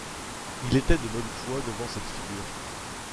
Il était de bonne foi devant cette figure.